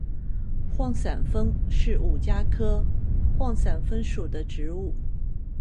幌伞枫是五加科幌伞枫属的植物。